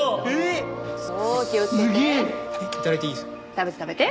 食べて食べて。